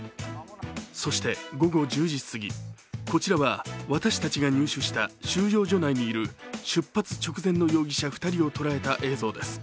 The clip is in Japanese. そして午後１０時過ぎ、こちらは私たちが入手した収容所内にいる出発直前の容疑者２人を捉えた映像です。